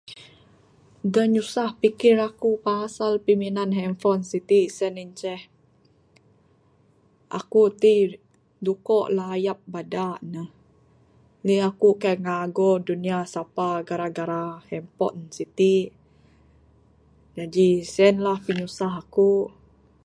Da nyusah pikir aku' pasal piminan handphone siti' sien inceh, aku' ti' duko' layap bada' ne. Li aku' kai ngago dunia sapa gara gara handphone siti'. Jaji sien lah pinyusah aku'.